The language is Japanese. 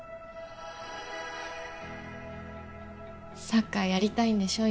サッカーやりたいんでしょ？